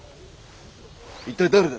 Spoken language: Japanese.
一体誰だ？